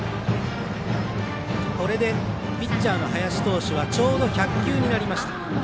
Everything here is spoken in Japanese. これでピッチャーの林投手はちょうど１００球になりました。